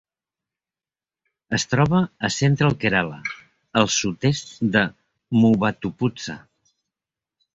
Es troba a Central Kerala, al sud-est de Muvattupuzha.